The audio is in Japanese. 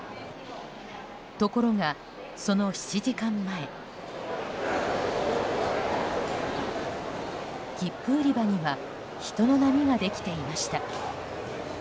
ところが、その７時間前切符売り場には人の波ができていました。